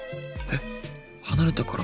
離れたから発熱？